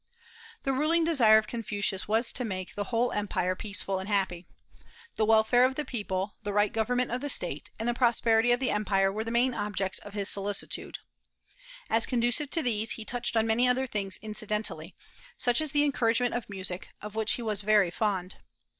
The ruling desire of Confucius was to make the whole empire peaceful and happy. The welfare of the people, the right government of the State, and the prosperity of the empire were the main objects of his solicitude. As conducive to these, he touched on many other things incidentally, such as the encouragement of music, of which he was very fond.